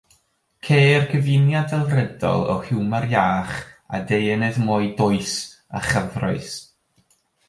Ceir cyfuniad delfrydol o hiwmor iach a deunydd mwy dwys a chyffrous.